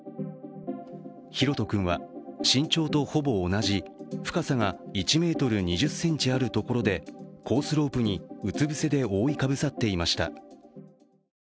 大翔君は身長とほぼ同じ深さが１ｍ２０ｃｍあるところでコースロープにうつ伏せで覆いかぶさっていました。